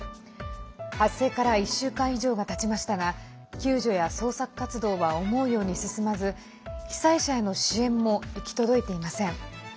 発生から１週間以上がたちましたが救助や捜索活動は思うように進まず被災者への支援も行き届いていません。